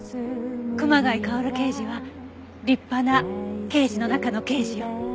熊谷馨刑事は立派な刑事の中の刑事よ。